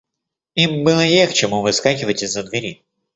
Им было не к чему выскакивать из-за двери.